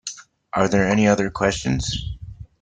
Are there any other questions?